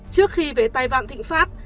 trước khi về tài vạn thịnh pháp